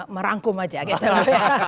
merangkum aja gitu loh